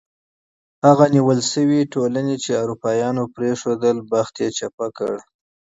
هغه استعماري بنسټونه چې اروپایانو پرېښودل، بخت یې چپه کړ.